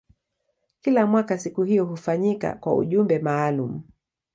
Kila mwaka siku hiyo hufanyika kwa ujumbe maalumu.